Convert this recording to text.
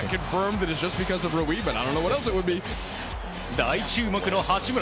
大注目の八村。